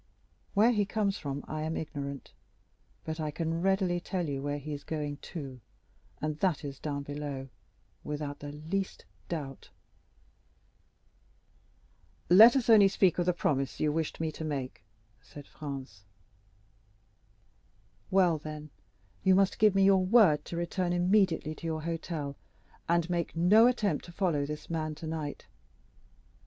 "Where he comes from I am ignorant; but I can readily tell you where he is going to, and that is down below, without the least doubt." "Let us only speak of the promise you wished me to make," said Franz. "Well, then, you must give me your word to return immediately to your hotel, and make no attempt to follow this man tonight.